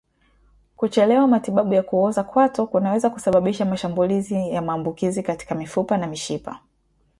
Kuchelewa matibabu ya kuoza kwato kunaweza kusababisha mashambulizi ya maambukizi katika mifupa na mishipa